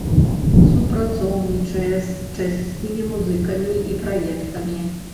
Супрацоўнічае з чэшскімі музыкамі і праектамі.